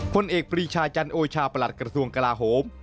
ผลเอกปรีชาจันโอชาประหลัดกระทรวงกลาโหม